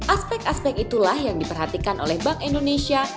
aspek aspek itulah yang diperhatikan oleh bank indonesia